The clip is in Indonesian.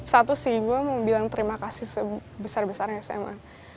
satu sih gue mau bilang terima kasih sebesar besarnya sma